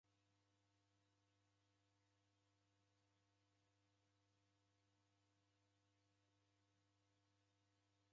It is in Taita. W'usira meso kuzighane na kumanye aha kuko.